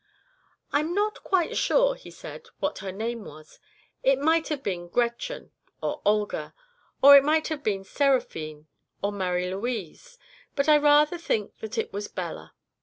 "I'm not quite sure," he said, "what her name was. It might have been Gretchen or Olga, or it might have been Seraphine or Marie Louise, but I rather think that it was Bella.